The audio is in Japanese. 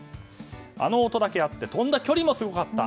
あの音だけあって飛んだ距離もすごかった。